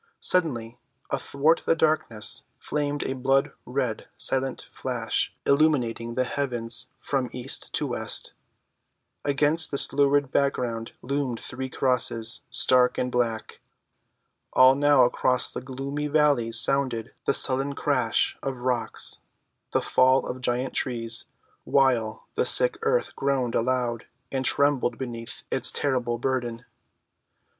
Suddenly athwart the darkness flamed a blood‐red, silent flash illumining the heavens from east to west. Against this lurid background loomed three crosses, stark and black. And now across the gloomy valleys sounded the sullen crash of rocks, the fall of giant trees, while the sick earth groaned aloud and trembled beneath its terrible burden.